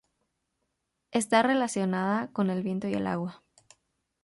Está relacionada con el viento y el agua.